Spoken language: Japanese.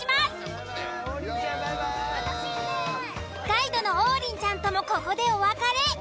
ガイドの王林ちゃんともここでお別れ。